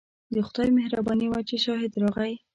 د خدای مهرباني وه چې شاهد راغی.